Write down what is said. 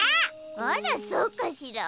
あらそうかしら？